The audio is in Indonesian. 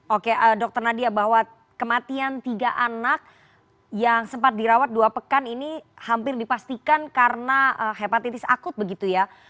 oke dr nadia bahwa kematian tiga anak yang sempat dirawat dua pekan ini hampir dipastikan karena hepatitis akut begitu ya